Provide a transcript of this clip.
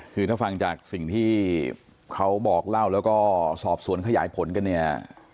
คือถ้าฟังจากสิ่งที่เขาบอกเล่าแล้วก็สอบสวนขยายผลกันเนี่ย